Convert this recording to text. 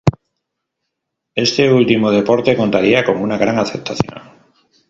Este último deporte contaría con una gran aceptación.